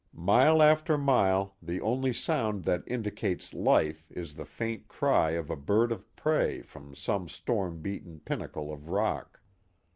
Mile after mile the only sound that indicates life is the faint cry of a bird of prey from some stormbeaten pinnacle of rock.